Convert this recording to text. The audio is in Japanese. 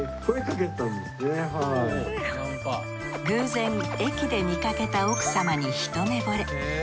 偶然駅で見かけた奥様にひと目ぼれ。